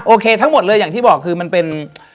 ทั้งหมดเลยอย่างที่บอกคือมันเป็น